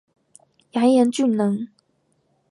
杨延俊人。